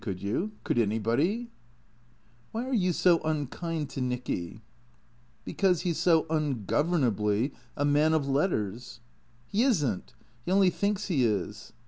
Could you ? Could anybody ?"" Wliy are you so unkind to Nicky ?"" Because he 's so ungovernably a man of letters." " He is n't. He only thinks he is."